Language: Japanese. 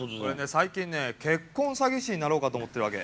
最近ね結婚詐欺師になろうかと思ってるわけ。